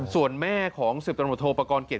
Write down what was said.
ส่วนแม่ของสิบตำรวจโทรประกอลเกล็ด